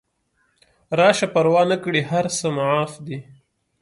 راشه پروا نکړي هر څه معاف دي